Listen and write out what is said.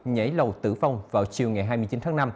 nhảy lầu tử vong vào chiều ngày hai mươi chín tháng năm